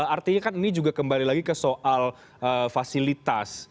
artinya kan ini juga kembali lagi ke soal fasilitas